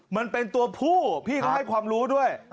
มันเป็นตัวผู้พี่ก็ให้ความรู้ด้วย